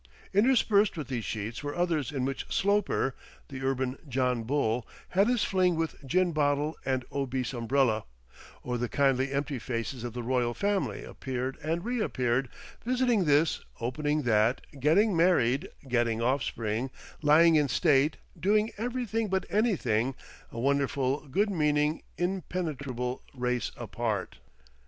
Interspersed with these sheets were others in which Sloper, the urban John Bull, had his fling with gin bottle and obese umbrella, or the kindly empty faces of the Royal Family appeared and reappeared, visiting this, opening that, getting married, getting offspring, lying in state, doing everything but anything, a wonderful, good meaning, impenetrable race apart.